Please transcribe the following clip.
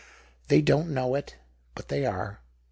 They don't know it, but they are.